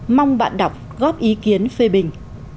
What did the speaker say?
mong bạn đọc góp ý kiến phê bình